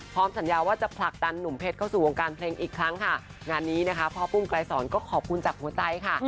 สัญญาว่าจะผลักดันหนุ่มเพชรเข้าสู่วงการเพลงอีกครั้งค่ะงานนี้นะคะพ่อปุ้มไกลสอนก็ขอบคุณจากหัวใจค่ะ